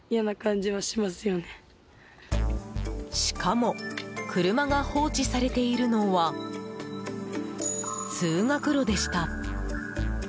しかも車が放置されているのは通学路でした。